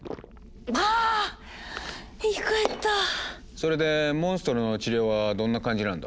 それでモンストロの治療はどんな感じなんだ？